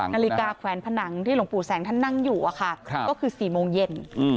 นาฬิกาแขวนผนังที่หลวงปู่แสงท่านนั่งอยู่ก็คือ๔โมงเย็น